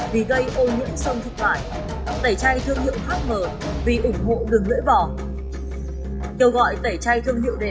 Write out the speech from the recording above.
với hàng loạt làn sóng tẩy chay người nổi tiếng diễn ra trên mạng xã hội